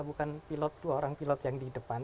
bukan pilot dua orang pilot yang di depan